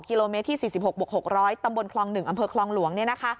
กิโลเมตรที่๔๖บวก๖๐๐ตำบลคลอง๑อำเภอคลองหลวง